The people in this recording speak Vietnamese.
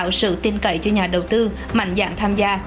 nhưng chưa thực sự tin cậy cho nhà đầu tư mạnh dạng tham gia